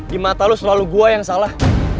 di mata lo selalu gue yang salah